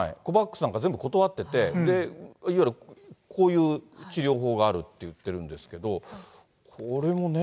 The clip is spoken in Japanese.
ＣＯＶＡＸなんか全部断ってて、いわゆるこういう治療法があると言ってるんですけど、これもね。